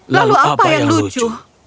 lalu apa yang lucu lalu apa yang lucu